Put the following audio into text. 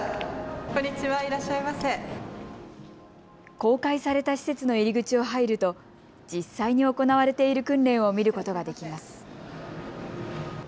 公開された施設の入り口を入ると実際に行われている訓練を見ることができます。